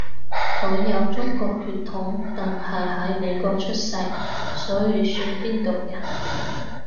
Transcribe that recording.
佢有中國血統，但係喺美國出世，所以算邊度人？